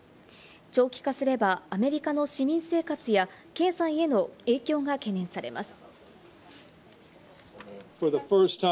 長期化すれば、アメリカの市民生活や経済への影響が懸念されます。